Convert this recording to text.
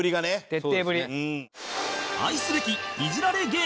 徹底ぶり。